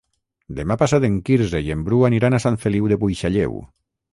Demà passat en Quirze i en Bru aniran a Sant Feliu de Buixalleu.